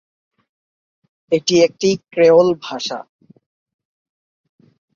এটি একটি ক্রেওল ভাষা।